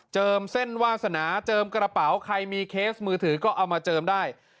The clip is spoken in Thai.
เส้นวาสนาเจิมกระเป๋าใครมีเคสมือถือก็เอามาเจิมได้